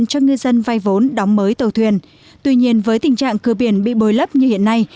trong tình trạng cửa biển bị bồi lớp như hiện nay